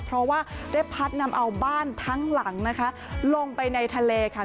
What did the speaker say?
เพราะว่าได้พัดนำเอาบ้านทั้งหลังนะคะลงไปในทะเลค่ะ